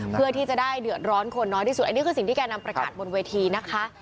เพื่อที่จะได้เดือดร้อนคนน้อยที่สุดอันนี้คือสิ่งที่แกนำประกาศบนเวทีนะคะ